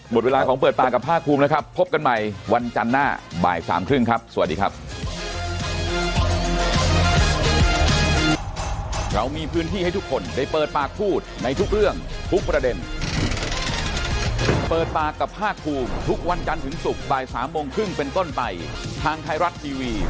หมดเวลาของเปิดปากกับภาคภูมินะครับพบกันใหม่วันจันทร์หน้าบ่ายสามครึ่งครับสวัสดีครับ